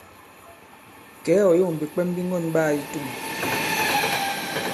Kɛ̌, ɔ̀ yȏŋ bìkwɛm bi ŋgɔ̑n ɓaā i tȗŋ.